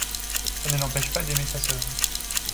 Ça ne l'empêche pas d'aimer sa soeur.